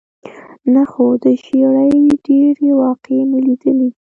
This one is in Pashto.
نه، خو د ژېړي ډېرې واقعې مې لیدلې.